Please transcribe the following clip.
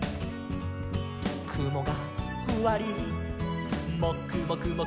「くもがふわりもくもくもくも」